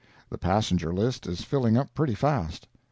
The passenger list is filling up pretty fast.